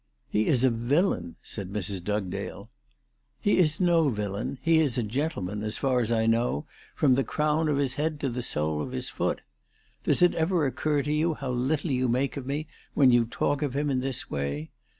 " He is a villain," said Mrs. Dugdale. " He is no villain. He is a gentleman, as far as I know, from the crown of his head to the sole of his foot. Does it ever occur to you how little you make of me when you talk of him in this way